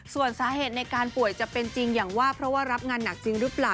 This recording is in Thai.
ส่วนสาเหตุในการป่วยจะเป็นจริงอย่างว่าเพราะว่ารับงานหนักจริงหรือเปล่า